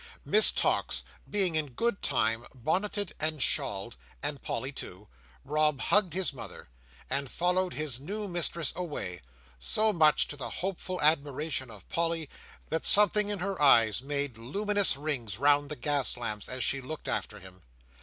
Miss Tox, being, in good time, bonneted and shawled, and Polly too, Rob hugged his mother, and followed his new mistress away; so much to the hopeful admiration of Polly, that something in her eyes made luminous rings round the gas lamps as she looked after him.